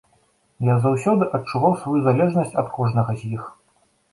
Я заўсёды адчуваў сваю залежнасць ад кожнага з іх.